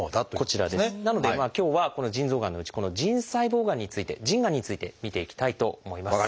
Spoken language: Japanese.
なので今日はこの腎臓がんのうちこの腎細胞がんについて腎がんについて見ていきたいと思います。